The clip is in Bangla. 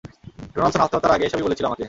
ডোনালসন আত্মহত্যার আগে এসবই বলেছিল আমাকে!